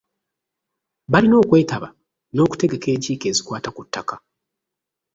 Balina okwetaba n’okutegeka enkiiko ezikwata ku ttaka.